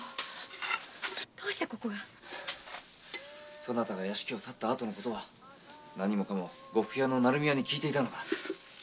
そなたが屋敷を去った後のことは何もかも呉服屋の鳴海屋に聞いていたのだ。